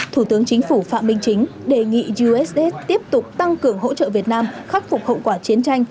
thủ tướng chính phủ phạm minh chính đề nghị uss tiếp tục tăng cường hỗ trợ việt nam khắc phục hậu quả chiến tranh